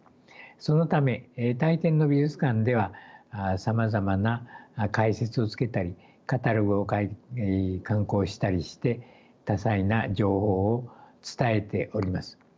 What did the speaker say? そのため大抵の美術館ではさまざまな解説をつけたりカタログを刊行したりして多彩な情報を伝えております。